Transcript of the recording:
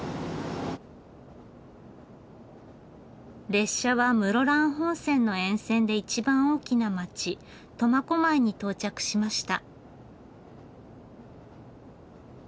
列車は室蘭本線の沿線で一番大きな町苫小牧に到着しました。